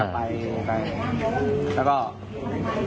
มีมันกับไป